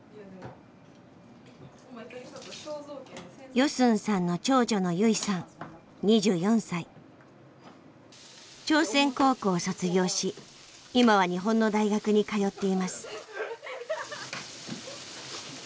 ヨスンさんの長女の朝鮮高校を卒業し今は日本の大学に通っています。